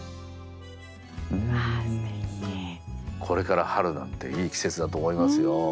これから春なんていい季節だと思いますよ。